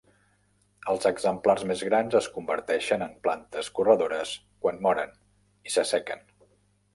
Els exemplars més grans es converteixen en plantes corredores quan moren i s'assequen.